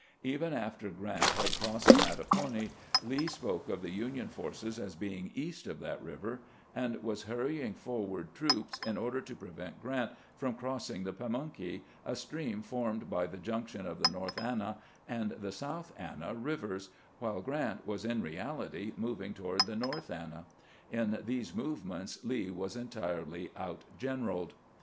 Even after Grant had crossed the Mattapony, Lee spoke of the Union forces as being east of that river, and was hurrying forward troops in order to prevent Grant from crossing the Pamunkey, a stream formed by the junction of the North Anna and the South Anna rivers, while Grant was in reality moving toward the North Anna. In these movements Lee was entirely outgeneraled.